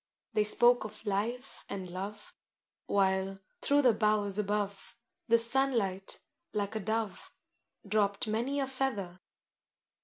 They spoke of life and love, While, through the boughs above, The sunlight, like a dove, Dropped many a feather.